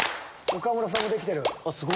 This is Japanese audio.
岡村さんもできてる。